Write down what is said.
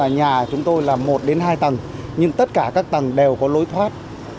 nhà chúng tôi là một đến hai tầng nhưng tất cả các tầng đều có lối thoát